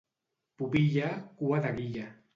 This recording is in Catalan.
Pubilla, cua de guilla.